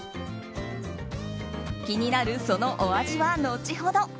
気になるそのお味は後ほど。